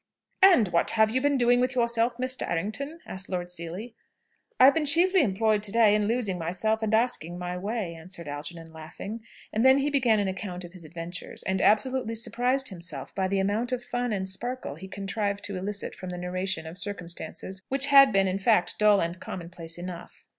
"And what have you been doing with yourself, Mr. Errington?" asked Lord Seely. "I have been chiefly employed to day in losing myself and asking my way," answered Algernon, laughing. And then he began an account of his adventures, and absolutely surprised himself by the amount of fun and sparkle he contrived to elicit from the narration of circumstances which had been in fact dull and commonplace enough.